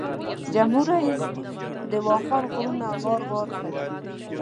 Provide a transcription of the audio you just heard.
جمهور رییس د واخان غرونه غار غار کوي.